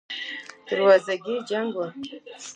د دروازګۍ جنګ و.